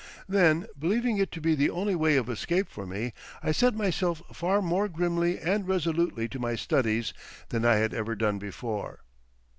Then, believing it to be the only way of escape for me, I set myself far more grimly and resolutely to my studies than I had ever done before.